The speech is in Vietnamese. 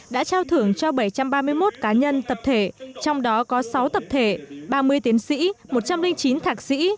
đã trao thưởng cho bảy trăm ba mươi một cá nhân tập thể trong đó có sáu tập thể ba mươi tiến sĩ một trăm linh chín thạc sĩ